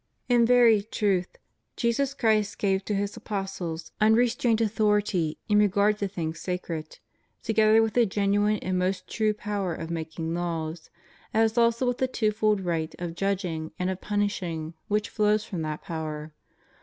In very truth Jesus Christ gave to His apostles un restrained authority in regard to things sacred, together with the genuine and most true power of making laws, as also with the twofold right of judging and of punish ing, which flow from that power.